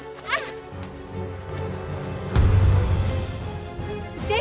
aduh lepasin pak